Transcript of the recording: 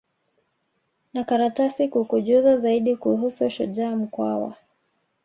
na karatasi kukujuza zaidi kuhusu shujaa mkwawa